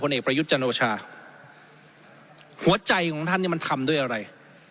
เอกประยุทธ์จันโอชาหัวใจของท่านเนี่ยมันทำด้วยอะไร